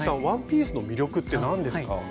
ワンピースの魅力って何ですか？